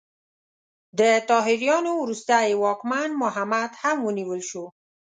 د طاهریانو وروستی واکمن محمد هم ونیول شو.